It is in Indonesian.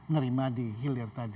ngerima di hilir tadi